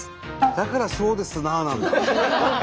だから「そうですな」なんだ。